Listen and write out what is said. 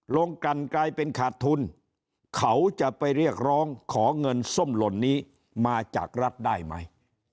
ลงกันกลายเป็นขาดทุนเขาจะไปเรียกร้องขอเงินส้มหล่นนี้มาจากรัฐได้ไหม